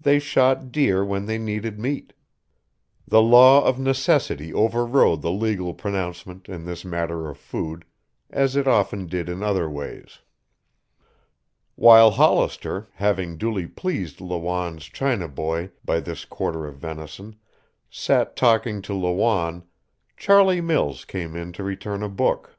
They shot deer when they needed meat. The law of necessity overrode the legal pronouncement in this matter of food, as it often did in other ways. While Hollister, having duly pleased Lawanne's China boy by this quarter of venison, sat talking to Lawanne, Charlie Mills came in to return a book.